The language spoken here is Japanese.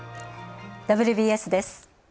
「ＷＢＳ」です。